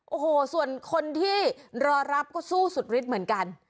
โอ้โหส่วนคนที่รอรับก็สู้สุดฤทธิ์เหมือนกัน